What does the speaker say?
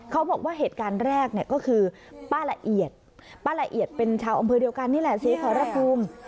เขาบอกว่าเหตุการณ์แรกเนี่ยก็คือป้าละเอียดป้าละเอียดเป็นชาวอำเภอเดียวกันนี่แหละศรีขอรภูมิ